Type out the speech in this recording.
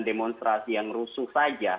demonstrasi yang rusuh saja